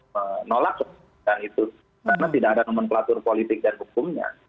menolak keputusan itu karena tidak ada nomenklatur politik dan hukumnya